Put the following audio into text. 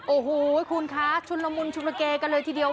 โอ้โหคุณคะชุนละมุนชุนละเกกันเลยทีเดียว